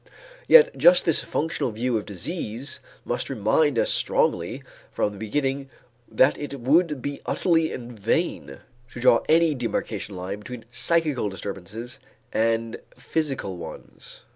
Yet just this functional view of disease must remind us strongly from the beginning that it would be utterly in vain to draw any demarcation line between psychical disturbances and physical ones.